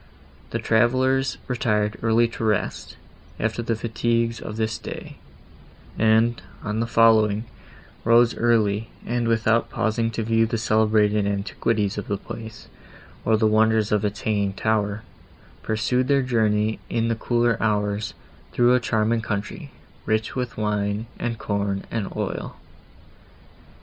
The travellers retired early to rest, after the fatigues of this day; and, on the following, rose early, and, without pausing to view the celebrated antiquities of the place, or the wonders of its hanging tower, pursued their journey in the cooler hours, through a charming country, rich with wine, and corn and oil.